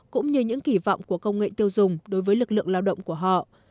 cũng như những kỳ vọng của công nghệ tiêu dùng đối với lực lượng lao động của họ